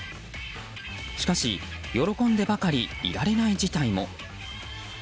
しかし、喜んでばかりいられない事態も。